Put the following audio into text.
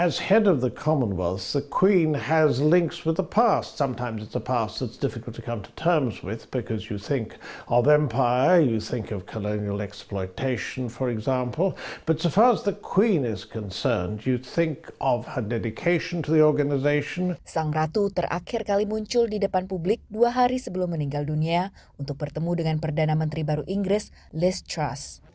sang ratu terakhir kali muncul di depan publik dua hari sebelum meninggal dunia untuk bertemu dengan perdana menteri baru inggris liz truss